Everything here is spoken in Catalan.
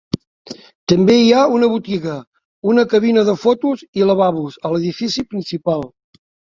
També hi ha una botiga, una cabina de fotos i lavabos a l'edifici principal.